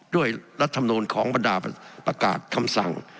รัฐมนูลของบรรดาประกาศคำสั่ง